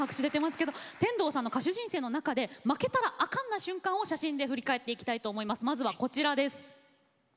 天童さんの歌手人生の中で負けたらあかんな瞬間を写真で振り返っていきたいと思います、まずはこちらです。